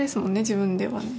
自分ではね。